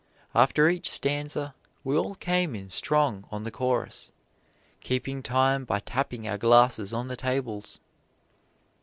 After each stanza we all came in strong on the chorus, keeping time by tapping our glasses on the tables.